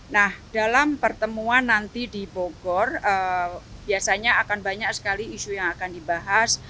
nah dalam pertemuan nanti di bogor biasanya akan banyak sekali isu yang akan dibahas